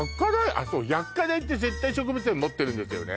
あっそう薬科大って絶対植物園持ってるんですよね